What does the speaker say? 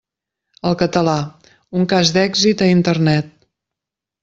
El català, un cas d'èxit a Internet.